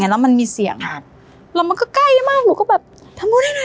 อย่างเงี้ยแล้วมันมีเสียงแล้วมันก็ใกล้มากหนูก็แบบทำบุญให้หน่อย